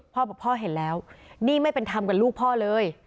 พ่อบอกพ่อเห็นแล้วนี่ไม่เป็นธรรมกับลูกพ่อเลย